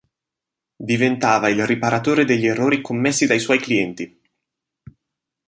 Diventava il riparatore degli errori commessi dai suoi clienti.